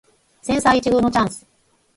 千載一遇のチャンス